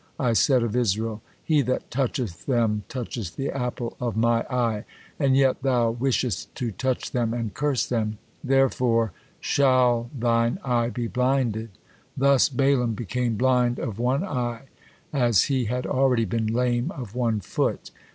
I said of Israel, He that toucheth them, toucheth the apple of My eye,' and yet thou wishest to touch them and curse them! Therefore shall thine eye be blinded." Thus Balaam became blind of one eye, as he had already been lame of one foot.